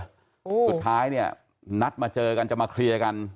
สุดท้ายเนี่ยนัดมาเจอกันจะมาเคลียร์กัน